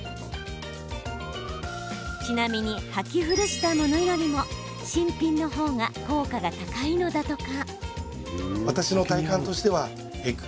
ちなみに履き古したものよりも新品の方が効果が高いのだとか。